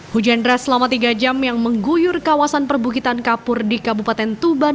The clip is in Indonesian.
hujan deras selama tiga jam yang mengguyur kawasan perbukitan kapur di kabupaten tuban